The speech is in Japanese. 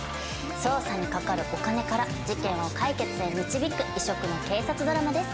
捜査にかかるお金から事件を解決へ導く異色の警察ドラマです。